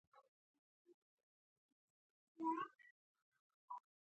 د شنختې د بلې خوا متن مې هم ور لېږلی و.